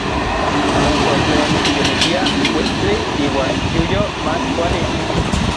Noso tlen kiyolitia uitstli iuan xiuyoj mach kuali.